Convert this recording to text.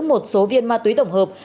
một số viên ma túy tổng hợp